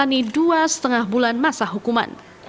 menjalani dua lima bulan masa hukuman